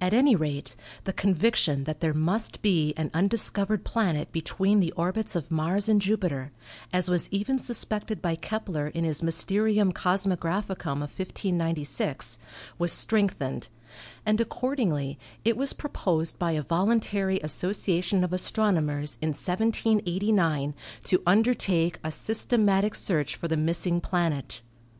At any rate, the conviction that there must be an undiscovered planet between the orbits of Mars and Jupiter, as was even suspected by Kepler in his "Mysterium Cosmographicum" of 1596, was strengthened, and accordingly it was proposed by a voluntary association of astronomers in 1789 to undertake a systematic search for the missing planet.